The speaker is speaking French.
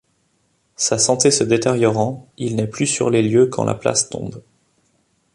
Sa santé se détériorant, il n'est plus sur les lieux quand la place tombe.